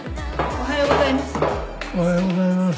おはようございます。